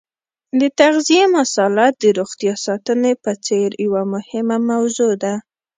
د تغذیې مساله د روغتیا ساتنې په څېر یوه مهمه موضوع ده.